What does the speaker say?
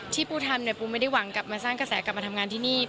ปูทำเนี่ยปูไม่ได้หวังกลับมาสร้างกระแสกลับมาทำงานที่นี่